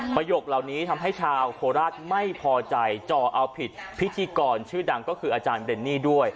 ประโยคเหล่านี้ทำให้ชาวโคราชไม่พอใจจ่อเอาผิดพิธีกรชื่อดังก็คืออาจารย์เรนนี่ด้วย